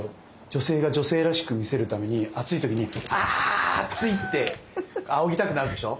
女性が女性らしく見せるために暑い時にあっついってあおぎたくなるでしょ。